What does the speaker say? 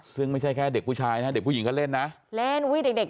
ซึ่งไม่ใช่แค่เด็กผู้ชายนะเด็กผู้หญิงก็เล่นนะเล่นอุ้ยเด็กเด็ก